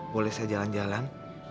boleh saya jalan jalan